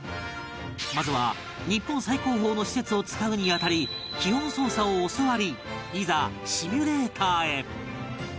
まずは日本最高峰の施設を使うに当たり基本操作を教わりいざシミュレーターへ